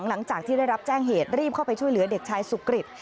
หลังจากที่ได้รับแจ้งเหตุรีบเข้าไปช่วยเหลือเด็กชายสุกริต